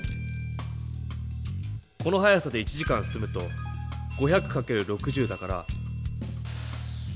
この速さで１時間進むと５００かける６０だから。